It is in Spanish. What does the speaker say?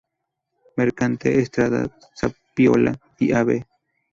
Mercante, Estrada, Zapiola, y Av.